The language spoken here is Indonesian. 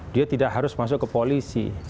dia tidak harus masuk ke polisi